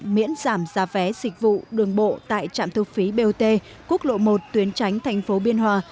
miễn giảm giá vé sử dụng đường bộ tại trạm thu phí bot quốc lộ một tuyến tránh tp biên hòa